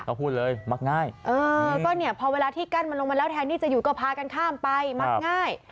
เขาพูดเลยมักง่ายเออก็เนี่ยพอเวลาที่กั้นมันลงมาแล้วแทนที่จะอยู่ก็พากันข้ามไปมักง่าย